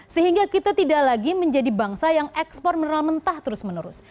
sehingga kita tidak lagi menjadi bangsa yang ekspor mineral mentah terus menerus